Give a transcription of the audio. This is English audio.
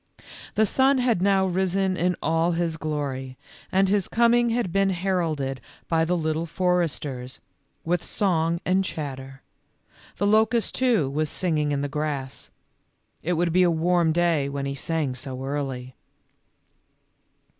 The sun had now risen in all his glory, and his coming had been heralded by the Little Foresters, with song and chatter ; the locust, too, was singing in the grass ; it would be a warm day, when he sang so early.